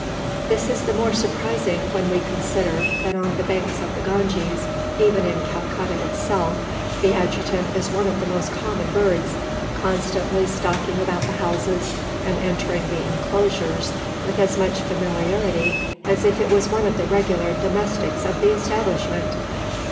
This is the more surprising when we consider that on the banks of the Ganges even in Calcutta itself the adjutant is one of the most common birds constantly stalking about the houses, and entering the enclosures with as much familiarity, as if it was one of the regular domestics of the establishment!